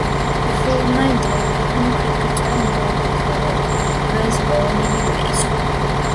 The former Durham cricketer Bob Cole was born in the village.